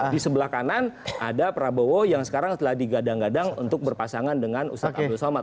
di sebelah kanan ada prabowo yang sekarang telah digadang gadang untuk berpasangan dengan ustadz abdul somad